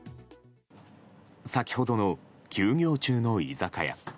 先ほどの休業中の居酒屋。